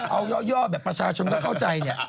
เอาย่อแบบประชาชนก็เข้าใจเนี่ย